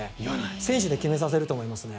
選手で決めさせると思いますね。